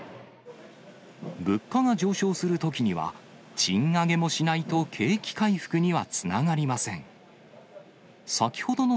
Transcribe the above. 物価が上昇するときには、賃上げもしないと景気回復にはつながりません。